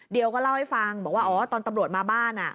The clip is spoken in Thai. เดี๋ยวก็เล่าให้ฟังบอกว่าอ๋อตอนตำรวจมาบ้าน